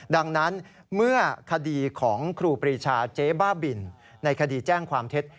ดังนั้นเมื่อคดีของครูปรีชาเจ๊บ้าบินในคดีแจ้งความเท็จ